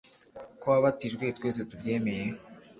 ko wabatijwe twese tubyemeye